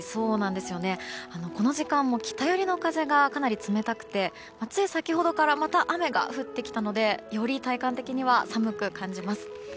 この時間も北寄りの風がかなり冷たくて、つい先ほどからまた雨が降ってきたのでより体感的には寒く感じます。